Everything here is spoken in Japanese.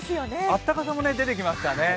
暖かさも出てきましたね。